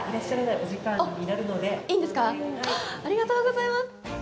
ありがとうございます！